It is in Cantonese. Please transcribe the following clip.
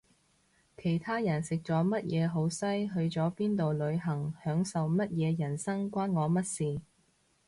其他人食咗乜嘢好西去咗邊度旅行享受乜嘢人生關我乜事